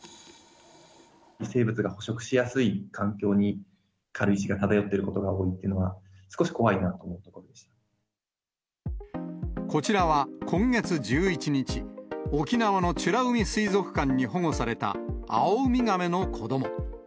生物が捕食しやすい環境に軽石が漂ってることが多いっていうのは、少し怖いなと思ったところこちらは今月１１日、沖縄の美ら海水族館に保護された、アオウミガメの子ども。